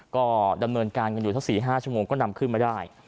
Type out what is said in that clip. ก็ดำเนินการกันอยู่สัก๔๕ชั่วโมงก็นำขึ้นมาได้